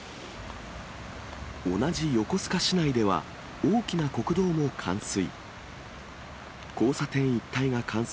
同じ横須賀市内では、大きな国道も冠水。